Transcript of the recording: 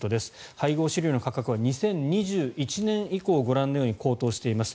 配合飼料の価格は２０２１年以降ご覧のように高騰しています。